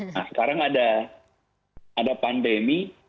nah sekarang ada pandemi